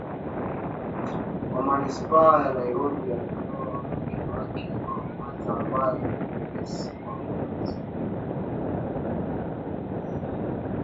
wa manispaa ya Nairobi alioa mke wake wa kwanza ambaye ni Grace WahuAzma